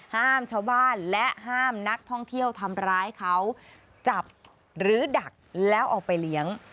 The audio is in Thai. ห้ามชาวบ้านและห้ามนักท่องเที่ยวทำร้ายเขาจับหรือดักแล้วเอาไปเลี้ยง